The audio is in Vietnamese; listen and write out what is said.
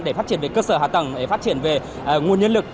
để phát triển về cơ sở hạ tầng để phát triển về nguồn nhân lực